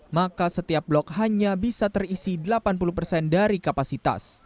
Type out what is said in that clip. maka setiap blok hanya bisa terisi delapan puluh persen dari kapasitas